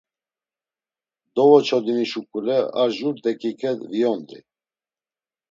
Dovoçodini şuǩule ar jur t̆eǩiǩe viondri.